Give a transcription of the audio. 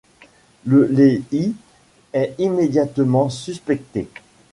Le Lehi est immédiatement suspecté.